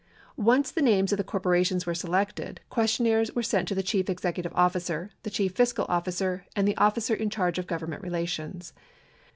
Once the names of the corporations were selected, questionnaires were sent to the chief executive officer, the chief fiscal officer, and the officer in charge of Government relations.